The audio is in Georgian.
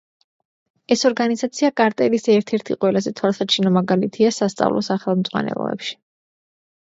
ეს ორგანიზაცია კარტელის ერთ-ერთი ყველაზე თვალსაჩინო მაგალითია სასწავლო სახელმძღვანელოებში.